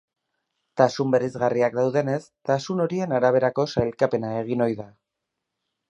Tasun bereizgarriak daudenez, tasun horien araberako sailkapena egin ohi da.